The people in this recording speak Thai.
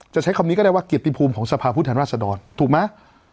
ใช้คำนี้ก็ได้ว่าเกียรติภูมิของสภาพผู้แทนราชดรถูกไหม